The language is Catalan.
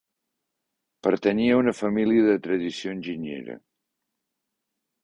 Pertanyia a una família de tradició enginyera.